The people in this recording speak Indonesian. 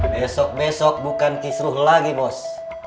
besok besok bukan kisruh lagi bos